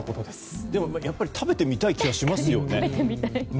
でも食べてみたい気はしますよね。